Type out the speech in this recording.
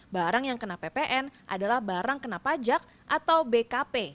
barang yang kena ppn adalah barang kena pajak atau bkp